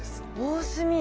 おおすみ。